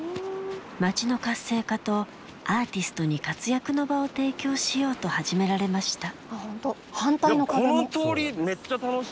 街の活性化とアーティストに活躍の場を提供しようと、始められました。